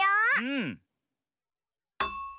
うん。